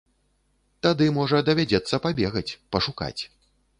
Тады, можа, давядзецца пабегаць, пашукаць.